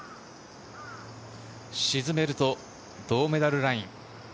沈めると銅メダルライン。